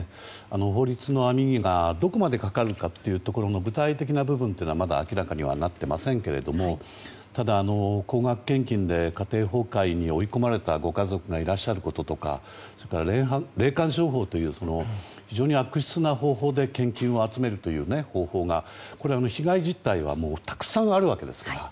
法律の網目がどこまでかかるかという具体的な部分というのはまだ明らかになっていませんがただ、高額献金で家庭崩壊に追い込まれたご家族がいらっしゃることとか霊感商法という非常に悪質な方法で献金を集めるという方法がこれは被害実態はたくさんあるわけですから。